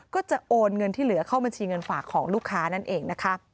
ก็จะโอนเงินที่เหลือเข้าบัญชีเงินฝากของลูกค้านั่นเองนะคะ